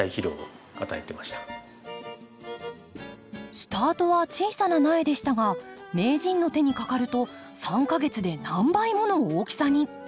スタートは小さな苗でしたが名人の手にかかると３か月で何倍もの大きさに。